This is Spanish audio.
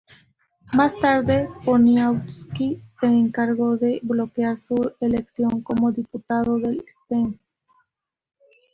Más tarde, Poniatowski se encargó de bloquear su elección como diputado del Sejm.